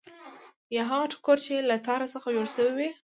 یا هغه ټوکر چې له تار څخه جوړ شوی وي.